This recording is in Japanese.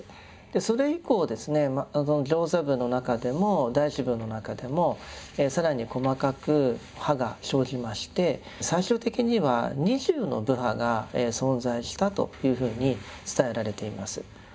それ以降ですね上座部の中でも大衆部の中でも更に細かく派が生じまして最終的には２０の部派が存在したというふうに伝えられています。